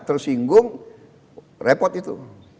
tersinggung repot itu